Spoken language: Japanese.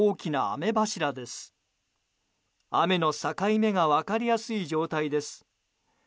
雨の境目が分かりやすい状態です。